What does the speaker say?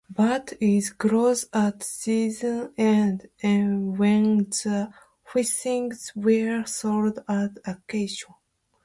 But it closed at season's end, when the furnishings were sold at auction.